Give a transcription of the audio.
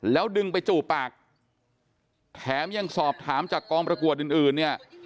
แล้วดึงไปจูบปากแถมยังสอบถามจากกองประกวดอื่นเนี่ย